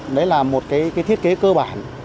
đấy là một thiết kế cơm